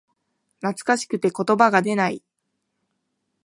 懐かしくて言葉が出ない